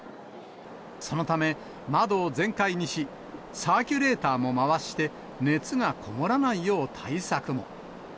そのため、窓を全開にし、サーキュレーターも回して、熱がこもらないよう対策も。